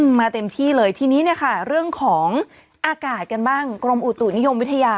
มาเต็มที่เลยทีนี้เนี่ยค่ะเรื่องของอากาศกันบ้างกรมอุตุนิยมวิทยา